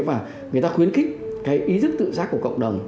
và người ta khuyến khích cái ý thức tự giác của cộng đồng